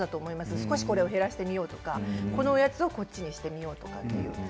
ちょっと減らしてみようとかこのおやつをこっちにしてみようとか。